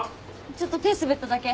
ちょっと手滑っただけ。